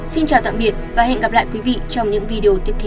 xin chào tạm biệt và hẹn gặp lại quý vị trong những video tiếp theo